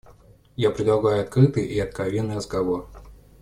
Я предлагаю открытый и откровенный разговор.